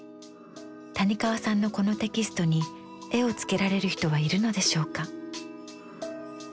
谷川さんのこのテキストに絵をつけられる人はいるのでしょうか？